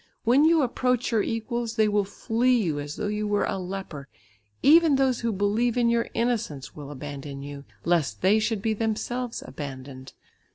When you approach your equals they will flee you as though you were a leper; even those who believe in your innocence will abandon you, lest they should be themselves abandoned.